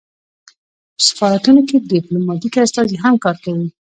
په سفارتونو کې ډیپلوماتیک استازي هم کار کوي